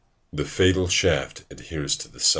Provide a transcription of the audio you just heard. ["The fatal shaft adheres to the side."